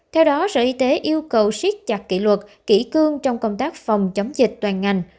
theo đó sở y tế yêu cầu siết chặt kỷ luật kỷ cương trong công tác phòng chống dịch toàn ngành